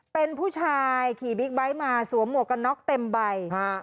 เป็นผู้ชายขี่บิ๊กไบท์มาสวมหมวกกันน็อกเต็มใบฮะ